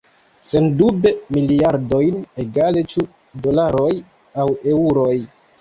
Sendube miliardojn – egale, ĉu dolaroj aŭ eŭroj.